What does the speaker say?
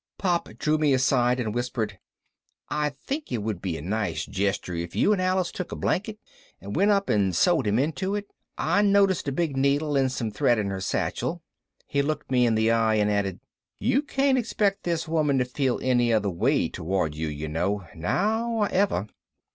Pop drew me aside and whispered, "I think it would be a nice gesture if you and Alice took a blanket and went up and sewed him into it. I noticed a big needle and some thread in her satchel." He looked me in the eye and added, "You can't expect this woman to feel any other way toward you, you know. Now or ever."